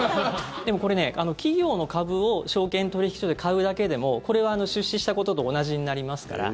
でも、これね、企業の株を証券取引所で買うだけでもこれは出資したことと同じになりますから。